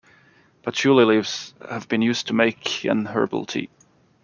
Patchouli leaves have been used to make an herbal tea.